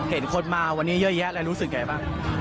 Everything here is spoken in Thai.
เห็นคนมาเยอะใหญะและรู้สึกยังไงบ้าง